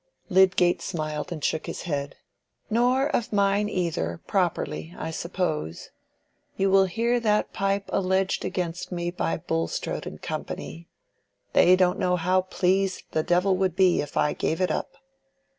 Lydgate smiled and shook his head. "Nor of mine either, properly, I suppose. You will hear that pipe alleged against me by Bulstrode and Company. They don't know how pleased the devil would be if I gave it up."